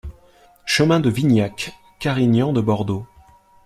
Chemin de Vignac, Carignan-de-Bordeaux